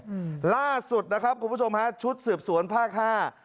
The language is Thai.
อืมล่าสุดนะครับคุณผู้ชมฮะชุดสืบสวนภาคห้า